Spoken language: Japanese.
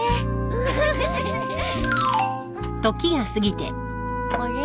ウフフ。あれ？